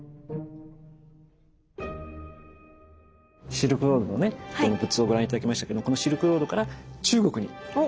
シルクロードのね仏像をご覧頂きましたけどこのシルクロードから中国に仏像が入ってくるんですね。